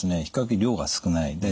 比較的量が少ない。